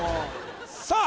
さあ